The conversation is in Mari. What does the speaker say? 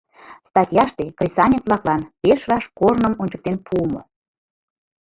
Статьяште кресаньык-влаклан пеш раш корным ончыктен пуымо.